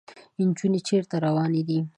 انجونې چېرته روانې دي ؟